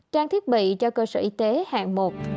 trang thiết bị cho cơ sở y tế hạng một